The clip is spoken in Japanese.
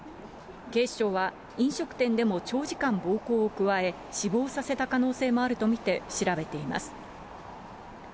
警視庁は、飲食店でも長時間暴行を加え、死亡させた可能性もあると見て調べています。